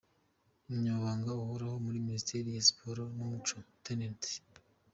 Umunyamabanga Uhoraho muri Minisiteri ya Siporo n’Umuco, Lt.